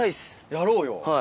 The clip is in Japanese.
やろうよ。